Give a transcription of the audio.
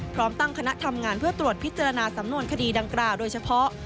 พร้อมตั้งคณะทำงานเพื่อตรวจพิจารณาสำนวนคดีดังกล่าวโดยเฉพาะ